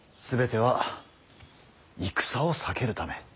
全ては戦を避けるため。